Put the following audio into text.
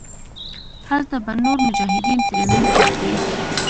هلته به نور مجاهدين ټرېننگ درکي.